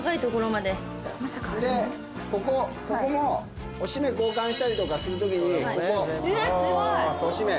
でここここもおしめ交換したりとかする時にここおしめ。